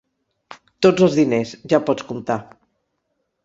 Tots els diners, ja pots comptar.